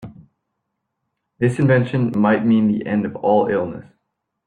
This invention might mean the end of all illness.